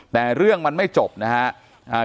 แต่เรื่องมันไม่จบนะครับ